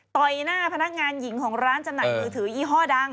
ต่อยหน้าพนักงานหญิงของร้านจำหน่ายมือถือยี่ห้อดัง